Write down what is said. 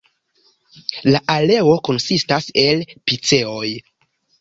La aleo konsistas el piceoj.